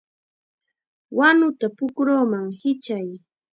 ¡Wanuta pukruman hichay!